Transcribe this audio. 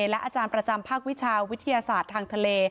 และอาจารย์ประจำภาควิชาวิทยาศาสตร์ทางทะเล